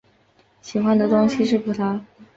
喜欢的东西是葡萄。